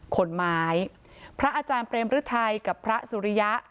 ขนไม้พระอาจารย์เปรมฤทัยกับพระสุริยะ